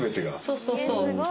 そうそうそう。